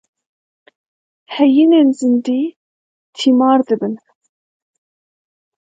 Heyînên zindî, tîmar dibin.